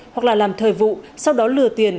hoặc là làm thời vụ sau đó lừa tiền